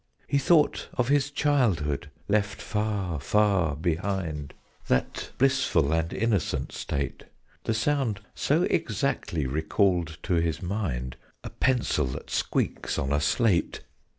He thought of his childhood, left far far behind That blissful and innocent state The sound so exactly recalled to his mind A pencil that squeaks on a slate!